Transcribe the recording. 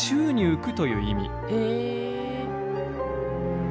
へえ。